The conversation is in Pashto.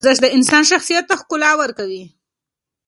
ورزش د انسان شخصیت ته ښکلا ورکوي.